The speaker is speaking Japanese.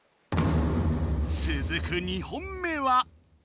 つづく２本目は。